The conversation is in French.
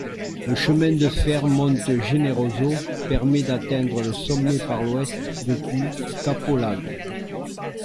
Le chemin de fer Monte Generoso permet d’atteindre le sommet par l’ouest depuis Capolago.